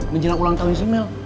menjelang ulang tahun isimel